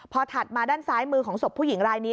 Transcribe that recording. พอถัดมาด้านซ้ายมือของศพผู้หญิงรายนี้